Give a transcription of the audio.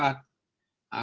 jadi kalau kita mencari obat